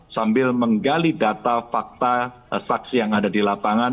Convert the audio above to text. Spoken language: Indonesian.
sambil menggali data fakta saksi yang ada di lapangan